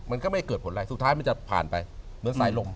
มันก็ไม่เกิดผลอะไรสุดท้ายมันจะผ่านไปเหมือนสายลม